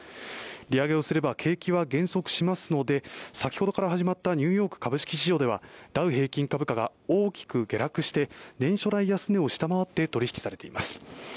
利上げをすれば景気は減速しますので先ほどから始まったニューヨーク株式市場では、ダウ平均株価が大きく下落して、年初来安値を下回って取引されています。